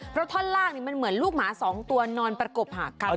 เพราะท่อนล่างมันเหมือนลูกหมา๒ตัวนอนประกบหักกัน